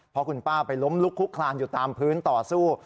เพราะคุณป้าไปล้มลุกคุกคลานอยู่ตามพื้นต่อสู้